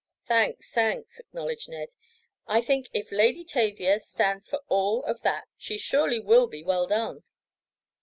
"Thanks! Thanks!" acknowledged Ned. "I think if Lady Tavia stands for all of that she surely will be well done."